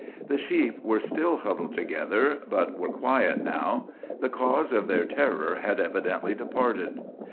The sheep were still huddled together, but were quiet now. The cause of their terror had evidently departed.